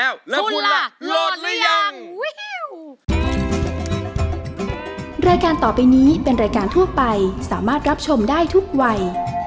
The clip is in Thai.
วันนี้เป็นรายการทั่วไปสามารถรับชมได้ทุกวัย